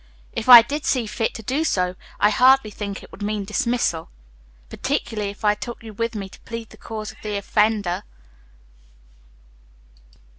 If I did see fit to do so I hardly think it would mean dismissal, particularly if I took you with me to plead the cause of the offender.